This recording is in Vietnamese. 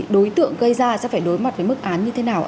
đối tượng gây ra sẽ phải đối mặt với mức án như thế nào